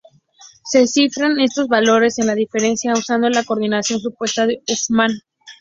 Se cifran estos valores de la diferencia usando la codificación supuesta de Huffman.